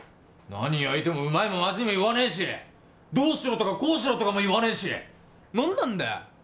何焼いてもうまいもマズいも言わねえしどうしろとかこうしろとかも言わねえし何なんだよ